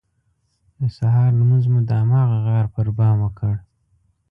د سهار لمونځ مو د هماغه غار پر بام وکړ.